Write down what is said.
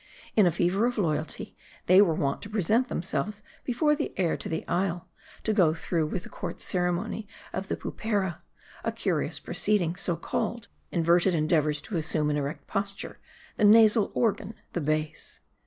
In a fever of loyalty, they were wont to present themselves before the heir ta the isle, to go through with the court ceremony of the Pupera ; a curious proceeding, so called : inverted endeavors to assume an erect posture : the nasal organ the base.